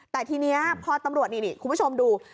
แต่ทีนี้พอตำรวจนี่คุณผู้ชมดู